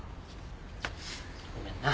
ごめんな。